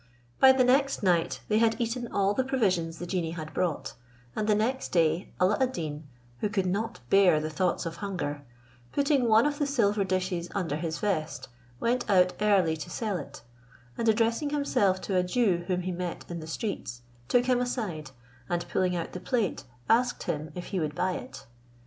By the next night they had eaten all the provisions the genie had brought; and the next day Alla ad Deen, who could not bear the thoughts of hunger, putting one of the silver dishes under his vest, went out early to sell it, and addressing himself to a Jew whom he met in the streets, took him aside, and pulling out the plate, asked him if he would buy it.